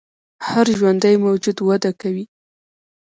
هر ژوندی موجود وده کوي